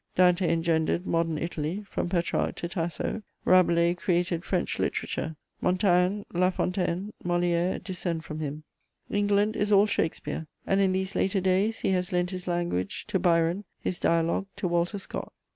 Dante engendered Modern Italy, from Petrarch to Tasso. Rabelais created French literature: Montaigne, La Fontaine, Molière descend from him. England is all Shakespeare, and in these later days he has lent his language to Byron, his dialogue to Walter Scott.